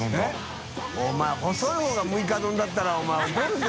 細い方が六日丼だったらお前怒るぜ。